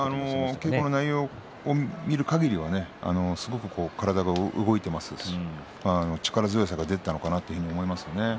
稽古の内容を見るには体が動いていますし力強さが出ていたのかなと思いますね。